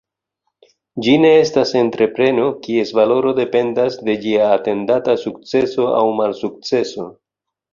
Ĝi ne estas entrepreno, kies valoro dependas de ĝia atendata sukceso aŭ malsukceso.